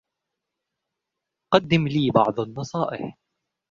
قدم لي بعض النصائح.